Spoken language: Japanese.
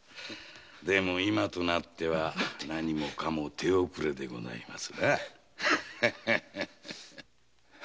でも今となっては何もかも手遅れでございますがね。